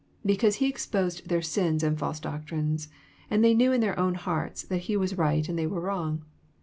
Because He exposed their sins and false doctrines ; and they knew in their own hearts that he was right and they were wrong.